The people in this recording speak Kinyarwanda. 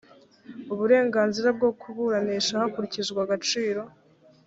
uburenganzira bwo kuburanisha hakurikijwe agaciro